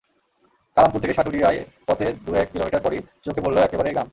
কালামপুর থেকে সাটুরিয়ার পথে দু-এক কিলোমিটার পরই চোখে পড়ল একেবারে গ্রাম।